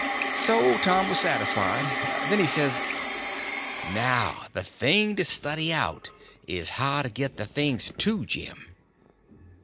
So Tom was satisfied. Then he says: "Now, the thing to study out is, how to get the things to Jim."